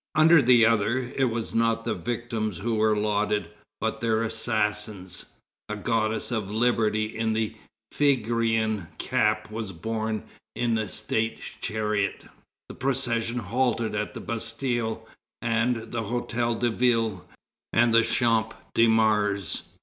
Under the other, it was not the victims who were lauded, but their assassins. A goddess of Liberty in a Phrygian cap was borne in a state chariot. The procession halted at the Bastille, the Hôtel de Ville, and the Champ de Mars.